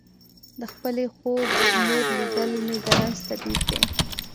د خپلې خوږ مور لیدل مې د رنځ طبیب دی.